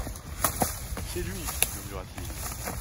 C'est lui ! murmura-t-il.